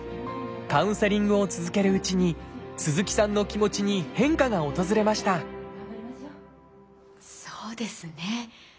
カウンセリングを続けるうちに鈴木さんの気持ちに変化が訪れましたそうですね。